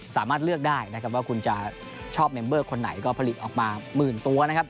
สามารถเลือกได้นะครับว่าคุณจะชอบเมมเบอร์คนไหนก็ผลิตออกมาหมื่นตัวนะครับ